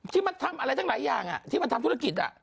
ที่มันทำอะไรทั้งหลายอย่างที่มันทำธุรกิจ